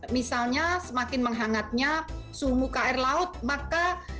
misalnya semakin menghangatnya suhu muka air laut maka